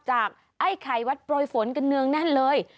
ไอ้ไข่วัดโปรยฝนกันเนืองแน่นเลย